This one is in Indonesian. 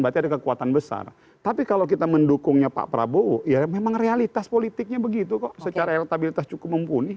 berarti ada kekuatan besar tapi kalau kita mendukungnya pak prabowo ya memang realitas politiknya begitu kok secara elektabilitas cukup mumpuni